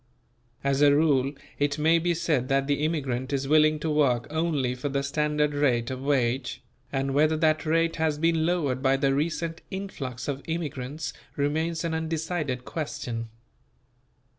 As a rule it may be said that the immigrant is willing to work only for the standard rate of wage; and whether that rate has been lowered by the recent influx of immigrants remains an undecided question.